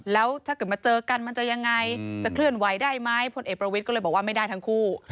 แล้วถ้าเกิดมาเจอกันมันจะยังไงจะเคลื่อนไหวได้ไหมพลเอกประวิทย์ก็เลยบอกว่าไม่ได้ทั้งคู่